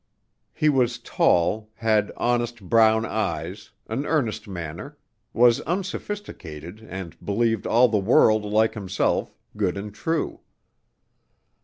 He was tall, had honest brown eyes, an earnest manner; was unsophisticated and believed all the world like himself, good and true.